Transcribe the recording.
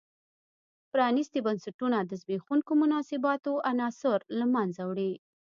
پرانیستي بنسټونه د زبېښونکو مناسباتو عناصر له منځه وړي.